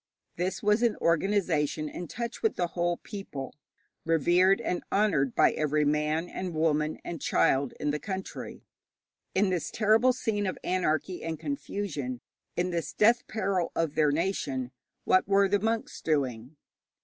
This was an organization in touch with the whole people, revered and honoured by every man and woman and child in the country. In this terrible scene of anarchy and confusion, in this death peril of their nation, what were the monks doing?